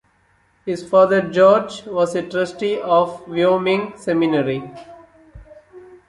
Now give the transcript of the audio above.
His father George was a trustee of Wyoming Seminary.